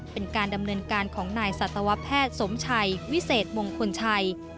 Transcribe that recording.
เป็นการดำเนินการของนายสัตวแพทย์สมชัยวิเศษมงคลชัย